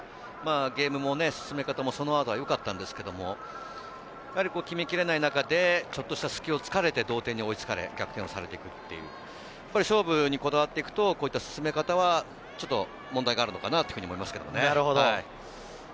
ゲームの進め方もそのあと良かったんですけど、やはり決めきらない中でちょっとした隙を突かれて同点に追いつかれ、逆転をされていくっていう、勝負にこだわっていくとこういった進め方はちょっと問題があるのかなと思いますけどね。